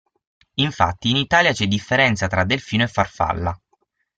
Infatti, in Italia c'è differenza tra delfino e farfalla.